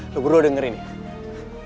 lo berdua dengerin nih